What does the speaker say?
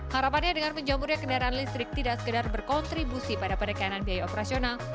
harapannya dengan menjamurnya kendaraan listrik tidak sekedar berkontribusi pada penekanan biaya operasional